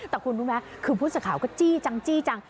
แต่บุคคลพูดสมข่าวก็จี้จัง